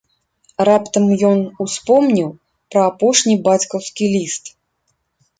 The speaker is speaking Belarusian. Раптам ён успомніў пра апошні бацькаўскі ліст.